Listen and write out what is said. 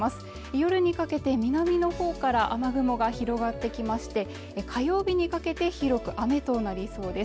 夜にかけて南のほうから雨雲が広がってきまして火曜日にかけて広く雨となりそうです